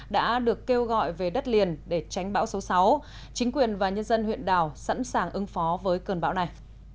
đã được kêu gọi về đất liền để tránh bão số sáu chính quyền và nhân dân huyện đảo sẵn sàng ứng phó với cơn bão này